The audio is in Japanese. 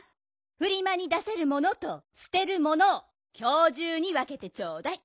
フリマに出せるものとすてるものをきょうじゅうにわけてちょうだい。